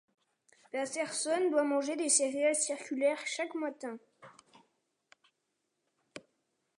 Paterson doit manger des céréales circulaires chaque matin.